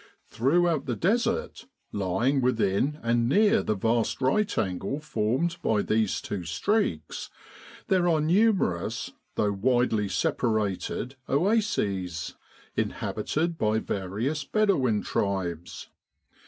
Throughout the Desert, lying within and near the vast right angle formed by these two streaks, there are numerous, though widely separated oases, inhabited by various Bedouin tribes.